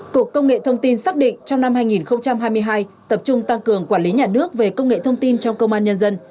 cục công nghệ thông tin xác định trong năm hai nghìn hai mươi hai tập trung tăng cường quản lý nhà nước về công nghệ thông tin trong công an nhân dân